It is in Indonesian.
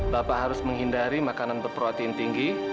bapak harus menghindari makanan berproating tinggi